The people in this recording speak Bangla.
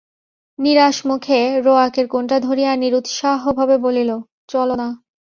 নিরাশ মুখে রোয়াকের কোণটা ধরিয়া নিরুৎসাহভাবে বলিল, চল না।